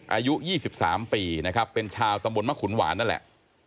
อายุ๒๓ปีนะครับเป็นชาวตำบลมะขุนหวานนั่นแหละ